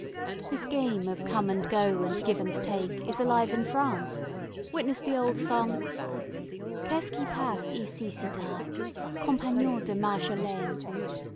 This game of come and go and give and take is alive in France; witness the old song: Qu'est ce qui passe ici si tard, Compagnons de la Marjolaine?